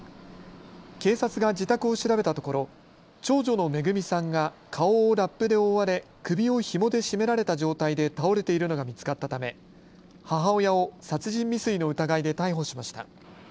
警察が自宅を調べたところ長女のめぐみさんが顔をラップで覆われ首をひもで絞められた状態で倒れているのが見つかったため母親を殺人未遂の疑いで逮捕しました。